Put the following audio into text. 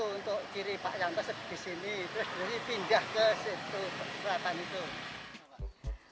untuk kiri pak puryantos di sini terus pindah ke situ ke perumahan itu